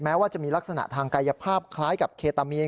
ว่าจะมีลักษณะทางกายภาพคล้ายกับเคตามีน